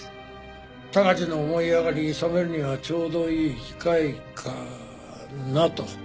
鷹児の思い上がり諫めるにはちょうどいい機会かなと。